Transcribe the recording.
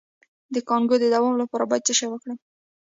د کانګو د دوام لپاره باید څه وکړم؟